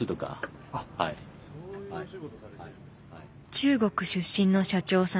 中国出身の社長さん。